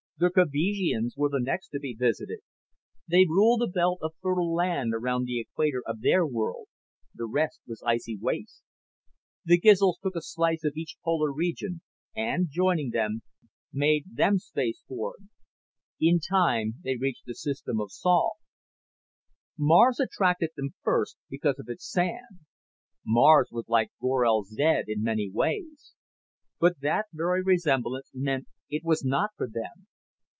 The Crevisians were the next to be visited. They ruled a belt of fertile land around the equator of their world the rest was icy waste. The Gizls took a slice of each polar region and, joining them, made them spaceborne. In time they reached the system of Sol. Mars attracted them first because of its sands. Mars was like Gorel zed in many ways. But that very resemblance meant it was not for them.